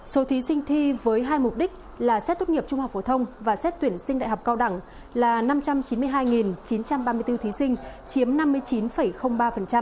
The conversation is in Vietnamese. số thí sinh thi với hai mục đích là xét tốt nghiệp trung học phổ thông và xét tuyển sinh đại học cao đẳng là năm trăm chín mươi hai chín trăm ba mươi bốn thí sinh chiếm năm mươi chín ba